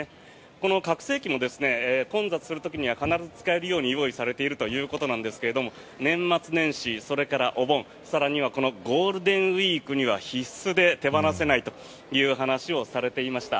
この拡声器も混雑する時には必ず使えるように用意されているということなんですが年末年始、それからお盆更にはこのゴールデンウィークには必須で手放せないという話をされていました。